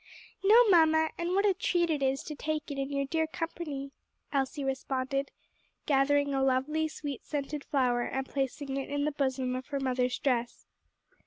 "No, mamma; and what a treat it is to take it in your dear company," Elsie responded, gathering a lovely, sweet scented flower and placing it in the bosom of her mother's dress.